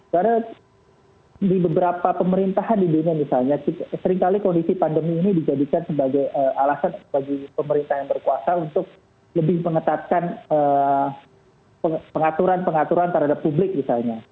karena di beberapa pemerintahan di dunia misalnya seringkali kondisi pandemi ini dijadikan sebagai alasan bagi pemerintah yang berkuasa untuk lebih mengetatkan pengaturan pengaturan terhadap publik misalnya